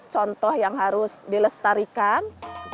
contoh yang harus dilestarikan